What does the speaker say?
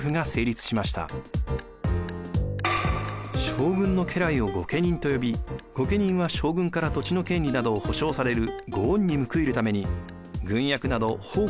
将軍の家来を御家人とよび御家人は将軍から土地の権利などを保証される御恩に報いるために軍役など奉公の義務を負いました。